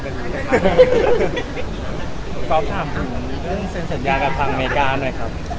ไม่เคยนะหรือรับถามเป็นทางอเมริกาหน่อยครับ